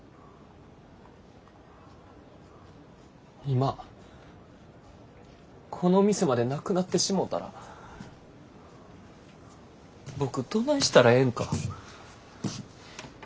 今この店までなくなってしもたら僕どないしたらええんか。